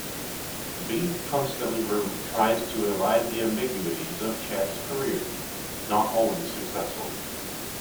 Bede constantly tries to elide the ambiguities of Chad's career, not always successfully.